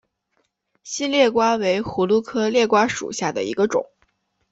新裂瓜为葫芦科裂瓜属下的一个种。